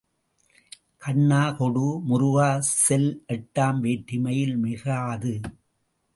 கண்ணா கொடு, முருகா செல் எட்டாம் வேற்றுமையில் மிகாது.